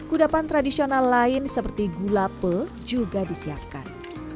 kudapan tradisional lain seperti gula pe juga disiapkan